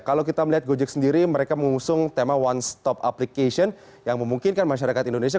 kalau kita melihat gojek sendiri mereka mengusung tema one stop application yang memungkinkan masyarakat indonesia